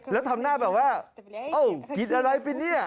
แล้วทำหน้าแบบว่าเอ้ากินอะไรไปเนี่ย